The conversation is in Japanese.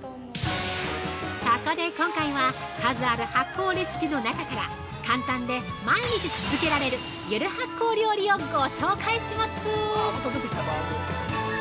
◆そこで、今回は数ある発酵レシピの中から簡単で毎日続けられるゆる発酵料理をご紹介しますー。